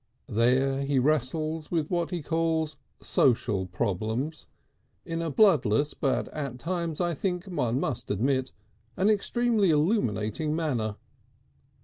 There he wrestles with what he calls "social problems" in a bloodless but at times, I think one must admit, an extremely illuminating manner.